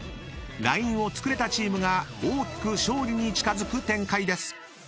［ラインをつくれたチームが大きく勝利に近づく展開です］